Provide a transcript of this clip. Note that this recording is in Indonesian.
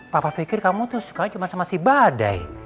papa pikir kamu tuh sukanya cuma sama si badai